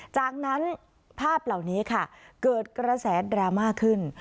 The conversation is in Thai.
จากนั้นภาพเหล่านี้ค่ะเกิดกระแสดราม่าขึ้น